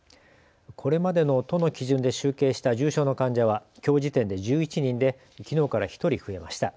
これまでの都の基準で集計した重症の患者はきょう時点で１１人できのうから１人増えました。